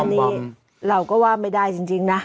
อันนี้เราก็ว่าไม่ได้จริงนะ